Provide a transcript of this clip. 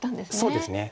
そうですね